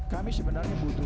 kami sebenarnya butuh